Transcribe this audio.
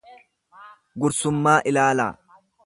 gursummaa ilaalaa.